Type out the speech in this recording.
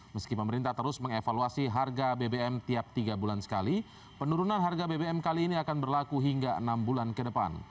meski pemerintah terus mengevaluasi harga bbm tiap tiga bulan sekali penurunan harga bbm kali ini akan berlaku hingga enam bulan ke depan